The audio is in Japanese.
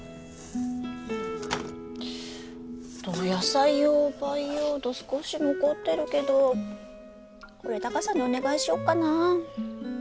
野菜用培養土少し残ってるけどこれタカさんにお願いしよっかな。